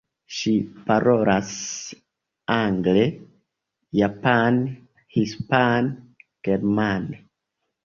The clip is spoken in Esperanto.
Ŝi parolas angle, japane, hispane, germane.